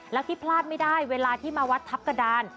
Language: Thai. แล้วที่พลาดไม่ได้เวลาที่มาวัดทัพกระดาน